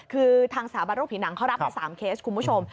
คือทางสถาบันโรคผิวหนังเขารับมา๓เคสคุณผู้ชม